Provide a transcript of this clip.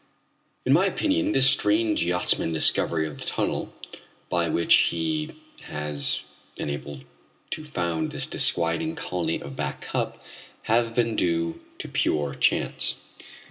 In my opinion this strange yachtsman's discovery of the tunnel by which he has been able to found this disquieting colony of Back Cup must have been due to pure chance.